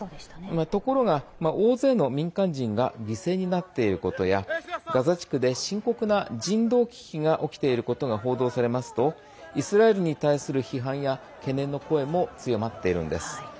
ところが、大勢の民間人が犠牲になっていることやガザ地区で深刻な人道危機が起きていることが報道されますとイスラエルに対する批判や懸念の声も強まっているんです。